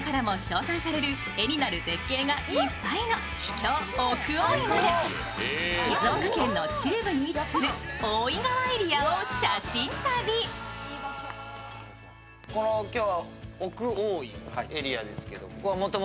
海外からも称賛される絵になる絶景がいっぱいの秘境奥大井まで静岡県の中部に位置する大井川エリアを写真旅すげぇ。